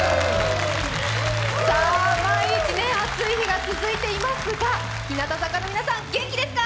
さあ毎日、暑い日が続いていますが、日向坂の皆さん、元気ですか？